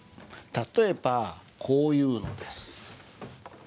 例えばこういうのです。